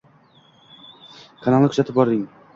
Kanalni kuzatib boring: